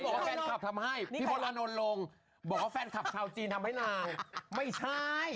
บอกว่าแฟนคลับทำให้พี่พลอานนท์ลงบอกว่าแฟนคลับชาวจีนทำให้นางไม่ใช่